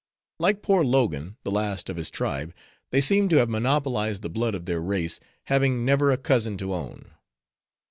Like poor Logan the last of his tribe, they seemed to have monopolized the blood of their race, having never a cousin to own.